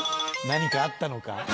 何かあったのか？